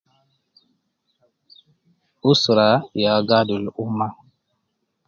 Usra yaa gaalim ummah